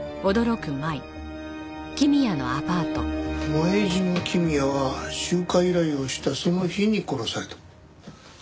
前島公也は集荷依頼をしたその日に殺された。